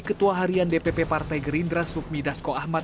ketua harian dpp partai gerindra sufmi dasko ahmad